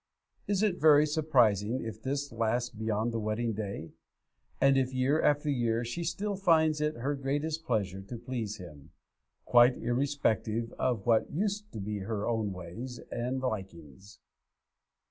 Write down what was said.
Is it very surprising if this lasts beyond the wedding day, and if year after year she still finds it her greatest pleasure to please him, quite irrespective of what used to be her own ways and likings?